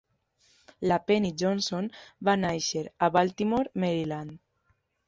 La Penny Johnson va néixer a Baltimore, Maryland.